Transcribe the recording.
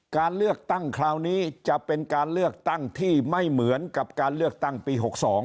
การเลือกตั้งคราวนี้จะเป็นการเลือกตั้งที่ไม่เหมือนกับการเลือกตั้งปี๖๒